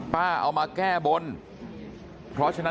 สวัสดีครับคุณผู้ชาย